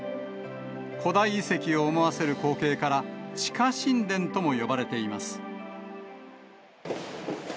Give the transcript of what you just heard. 古代遺跡を思わせる光景から、地下神殿とも呼ばれています。